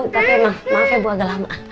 tapi emang maaf ya bu agak lama